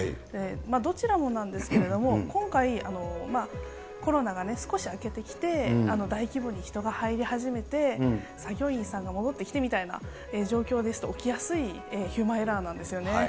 どちらもなんですけれども、今回、コロナが少し明けてきて、大規模に人が入り始めて、作業員さんが戻ってきてみたいな状況ですと、起きやすいヒューマンエラーなんですよね。